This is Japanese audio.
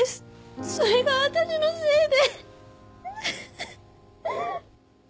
それがあたしのせいで。